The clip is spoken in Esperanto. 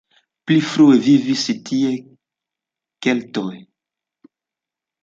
Pli frue vivis tie keltoj.